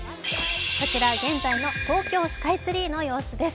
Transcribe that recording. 現在の東京スカイツリーの様子です。